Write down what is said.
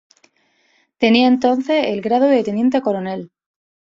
Tenía entonces el grado de teniente coronel.